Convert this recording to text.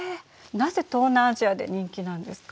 なぜ東南アジアで人気なんですか？